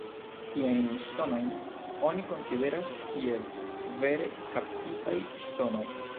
Tiajn ŝtonojn oni konsideras kiel vere kaptitaj ŝtonoj.